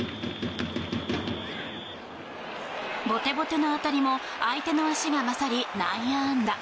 ボテボテの当たりも相手の足が勝り、内野安打。